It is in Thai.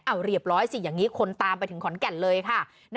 เอาเรียบร้อยสิอย่างนี้คนตามไปถึงขอนแก่นเลยค่ะ